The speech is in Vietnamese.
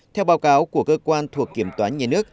theo báo cáo của cơ quan thuộc kiểm toán nhà nước